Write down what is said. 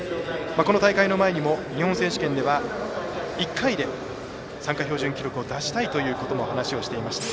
この大会の前にも日本選手権では１回で、参加標準記録を出したいということも話をしていました。